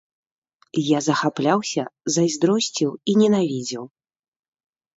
Я захапляўся, зайздросціў і ненавідзеў.